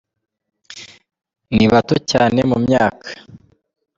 Ni aba bato cyane mu myaka.